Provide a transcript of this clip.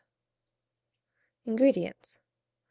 INGREDIENTS.